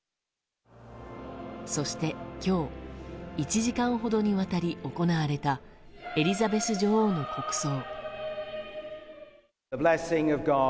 そして今日１時間ほどにわたり行われたエリザベス女王の国葬。